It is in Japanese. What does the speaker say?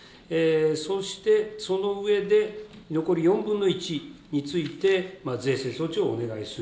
そして、その上で、残り４分の１について、税制措置をお願いする。